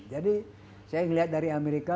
jadi saya lihat dari amerika